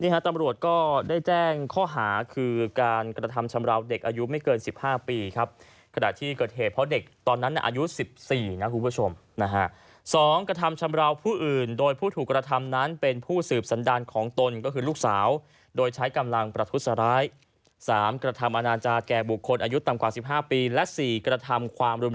ขอโทษเขาก็ขอโทษเขาก็บอกพ่อผิดไปแล้ว